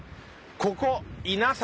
「ここ稲里」！